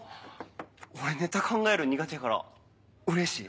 俺ネタ考えるん苦手やからうれしい。